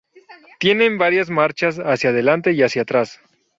Tienen varias marchas hacia adelante y hacia atrás.